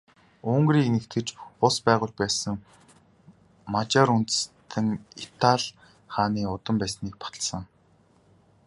Унгарыг нэгтгэж улс байгуулж байсан Мажар үндэстэн Атилла хааны удам байсныг баталсан.